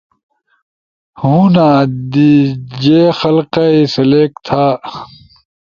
ہونا دی ڇے حلقہ ئی سلیکٹ تھا[اختیاری]